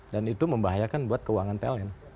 dan itu membahayakan buat keuangan pln